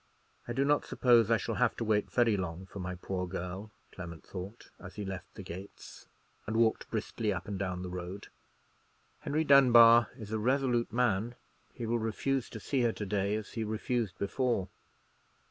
"I do not suppose I shall have to wait very long for my poor girl," Clement thought, as he left the gates, and walked briskly up and down the road. "Henry Dunbar is a resolute man; he will refuse to see her to day, as he refused before."